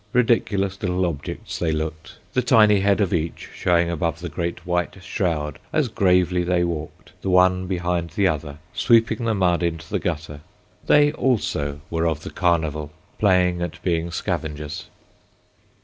Ridiculous little objects they looked, the tiny head of each showing above the great white shroud as gravely they walked, the one behind the other, sweeping the mud into the gutter. They also were of the Carnival, playing at being scavengers.